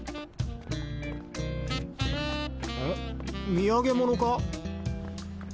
土産物か？